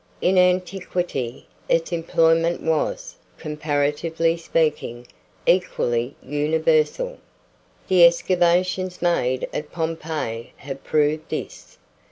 In antiquity, its employment was, comparatively speaking, equally universal. The excavations made at Pompeii have proved this.